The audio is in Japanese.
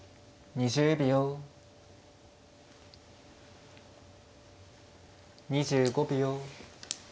２５秒。